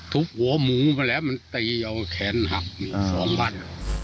หัวหมูไปแล้วมันตีเอาแขนหักสองพัน